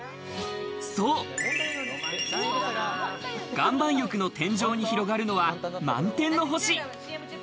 そう、岩盤浴の天井に広がるのは満天の星。